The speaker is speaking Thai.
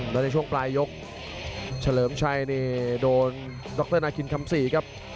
แล้วในช่วงปลายยกเฉลิมชัยนี่โดนดรนาคินคำศรีครับ